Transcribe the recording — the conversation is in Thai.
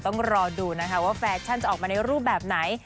ต้องรอดูนะคะว่าแฟชั่นจะออกมาในรูปแบบไหน